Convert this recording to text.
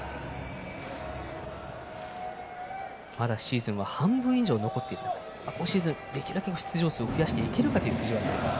まだシーズンは半分以上残っていて今シーズン、できるだけ出場数を増やしていけるかという藤原。